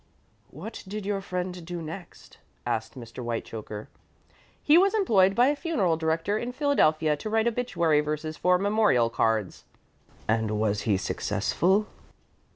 "What did your friend do next?" asked Mr. Whitechoker. "He was employed by a funeral director in Philadelphia to write obituary verses for memorial cards." "And was he successful?"